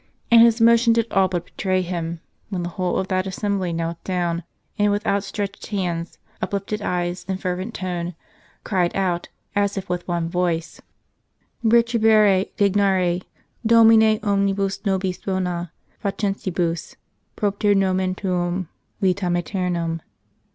And his emotion did all but betray him, when the whole of that assembly knelt down, and with outstretched hands, uplifted eyes, and fervent tone, cried out, as if with one voice :^^ Retrihnere dignare, Domine, omnibus nobis bona facientibus, propter Nomen tuum, vitam ceternam.